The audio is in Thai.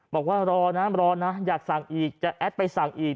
บอกว่ารอนะรอนะอยากสั่งอีกจะแอดไปสั่งอีก